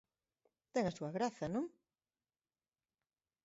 Ten a súa graza, non?